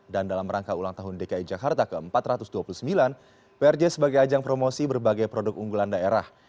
dan dalam rangka ulang tahun dki jakarta ke empat ratus dua puluh sembilan prj sebagai ajang promosi berbagai produk unggulan daerah